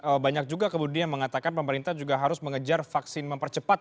oke banyak juga kemudian yang mengatakan pemerintah juga harus mengejar vaksin mempercepat